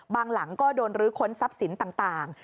หลังก็โดนรื้อค้นทรัพย์สินต่าง